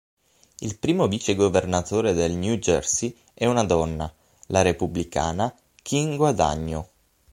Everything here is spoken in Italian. Il primo vicegovernatore del New Jersey è una donna: la Repubblicana Kim Guadagno.